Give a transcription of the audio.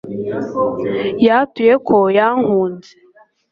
Yatuye ko yankunze